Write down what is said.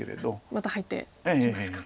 また入ってきますか。